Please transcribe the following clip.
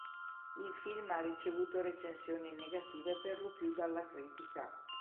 Il film ha ricevuto recensioni negative per lo più dalla critica.